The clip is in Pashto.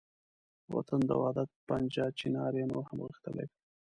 د وطن د وحدت پنجه چنار یې نور هم غښتلې کړ.